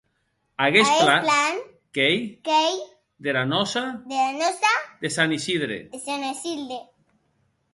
Aguest plan qu’ei dera nòça de Sant Isidre.